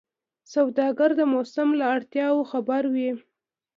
سوداګر د موسم له اړتیاوو خبر وي.